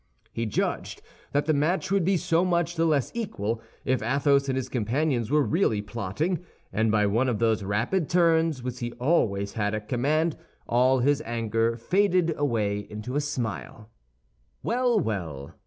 He judged that the match would be so much the less equal, if Athos and his companions were really plotting; and by one of those rapid turns which he always had at command, all his anger faded away into a smile. "Well, well!"